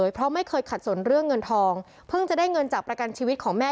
เพราะไม่เคยขัดสนเรื่องเงินทองเพิ่งจะได้เงินจากประกันชีวิตของแม่